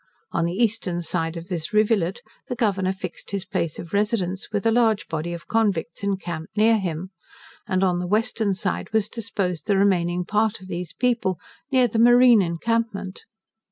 On the eastern side of this rivulet the Governor fixed his place of residence, with a large body of convicts encamped near him; and on the western side was disposed the remaining part of these people, near the marine encampment.